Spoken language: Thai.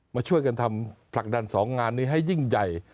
มาช่วยกันปลักดัน๒งานให้ยิ่งใหญ่